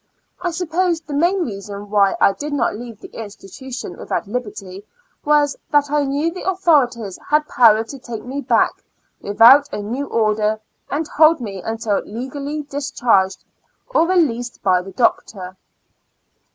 I suppose the main reason why I did not leave the institution without liberty was, that I knew the authorities had power to take me back without a new 124 Two Tears and Four Months order, and hold me until legally discharged or released by the doctor.